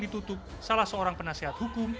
ditutup salah seorang penasihat hukum